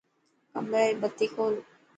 ڪمري ري بتي کول.